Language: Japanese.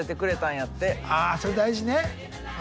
それ大事ね。